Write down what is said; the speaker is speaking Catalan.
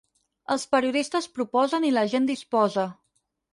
Els periodistes proposen i la gent disposa.